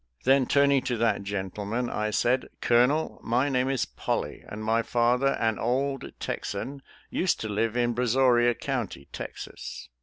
Then, turning to that gen tleman, I said, " Colonel, my name is Polley, and my father, an old Texan, used to live in Brazoria County, Texas."